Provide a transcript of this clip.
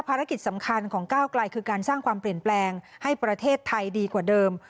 ภารกิจสำคัญของก้าวไกลคือการสร้างความเปลี่ยนแปลงให้ประเทศไทยดีกว่าเดิม